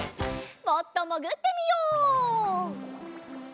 もっともぐってみよう。